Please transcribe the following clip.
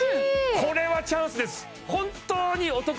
これはチャンスです嬉しい！